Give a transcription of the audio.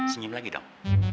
senyum lagi dong